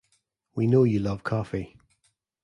We know you love coffee.